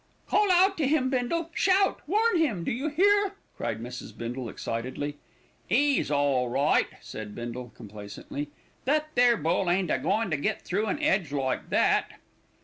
"Call out to him, Bindle. Shout! Warn him! Do you hear?" cried Mrs. Bindle excitedly. "'E's all right," said Bindle complacently. "That there bull ain't a goin' to get through an 'edge like that."